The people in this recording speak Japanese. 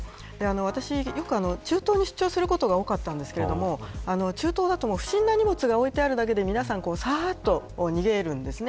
私、よく中東に出張することが多かったんですが中東では不審な荷物が置いてあるだけで皆さんさっと外に出るんですね。